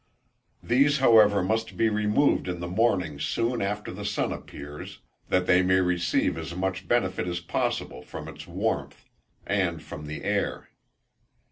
These however must be removed in the morning soon after the sun appears, that they may receive as much benefit as possible from its warmth, and from the air.